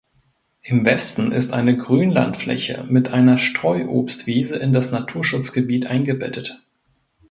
Im Westen ist eine Grünlandfläche mit einer Streuobstwiese in das Naturschutzgebiet eingebettet.